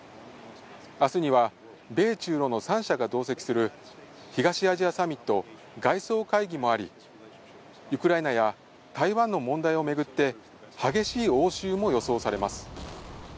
あすには米中露の３者が同席する東アジアサミット外相会議もあり、ウクライナや台湾の問題を巡って激しい応酬も予想されます。